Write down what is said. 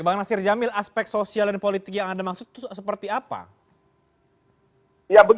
bang nasir jamil aspek sosial dan politik yang anda maksud itu seperti apa